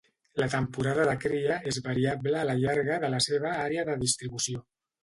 La temporada de cria és variable a la llarga de la seva àrea de distribució.